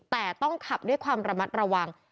แต่ต้องขับด้วยความระมัดระวัง